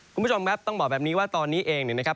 คุณผู้ชมครับต้องบอกแบบนี้ว่าตอนนี้เองเนี่ยนะครับ